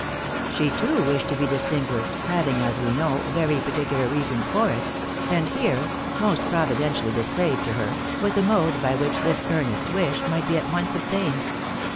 She, too, wished to be distinguished, having, as we know, very particular reasons for it ; and here (most providentially displayed to her) was a mode by which this earnest wish might be at once ob tained.